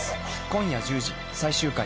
今夜１０時、最終回。